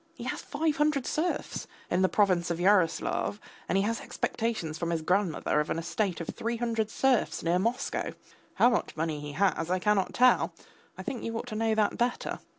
He has five hundred serfs in the province of Yaroslav, and he has expectations from his grandmother of an estate of three hundred serfs near Moscow. How much money he has I cannot tell; I think you ought to know that better.